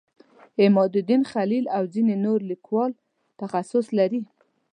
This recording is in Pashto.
عمادالدین خلیل او ځینې نور لیکوال تخصص لري.